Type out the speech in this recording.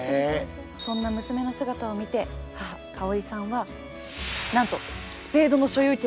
そんな娘の姿を見て母香織さんはなんとスペードの所有権を買ってしまったんです。